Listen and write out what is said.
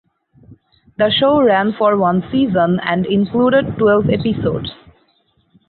The show ran for one season and included twelve episodes.